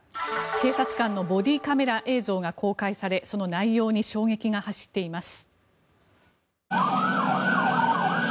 警察官のボディーカメラ映像が公開されその内容に衝撃が走っています。